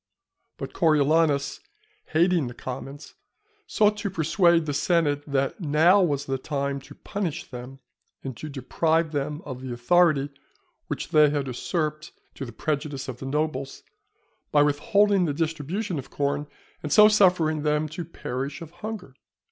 But Coriolanus, hating the commons, sought to persuade the senate that now was the time to punish them, and to deprive them of the authority which they had usurped to the prejudice of the nobles, by withholding the distribution of corn, and so suffering them to perish of hunger.